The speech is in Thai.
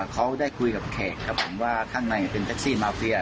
เขาได้คุยกับแขกครับผมว่าข้างในเป็นแท็กซี่มาเฟีย